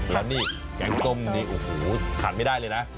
และนี่แกงส้มดีขายไม่ได้เลยนะ